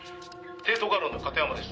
帝都画廊の片山です」